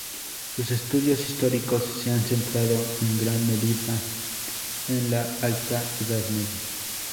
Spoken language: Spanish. Sus estudios históricos se han centrado en gran medida en la alta edad media.